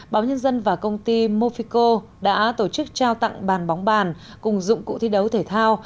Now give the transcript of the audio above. báo nhân dân và công ty mofico đã tổ chức trao tặng bàn bóng bàn cùng dụng cụ thi đấu thể thao